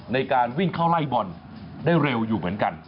ในการวิ่งเข้าไล่บอลได้เร็วอยู่เหมือนกัน